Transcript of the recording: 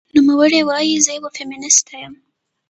نوموړې وايي، "زه یوه فېمینیسټه یم